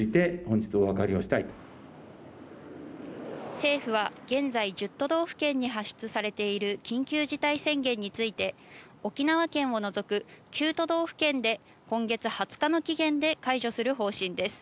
政府は現在、１０都道府県に発出されている緊急事態宣言について、沖縄県を除く９都道府県で今月２０日の期限で解除する方針です。